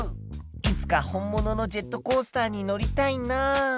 いつか本物のジェットコースターに乗りたいな。